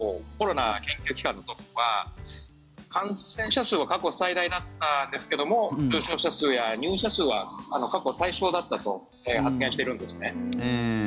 ポルトガルのコロナ研究機関のトップは感染者数は過去最大だったんですけども重症者数や入院者数は過去最少だったと発言しているんですね。